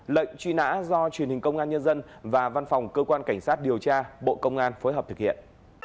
lệnh truy nã do truyền hình công an nhân dân và văn phòng cơ quan cảnh sát điều tra bộ công an phối hợp thực hiện